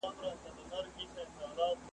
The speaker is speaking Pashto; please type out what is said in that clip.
ککرۍ دي چي له تن څخه بېلیږي `